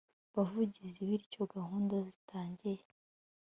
buvugizi bityo gahunda zitangiye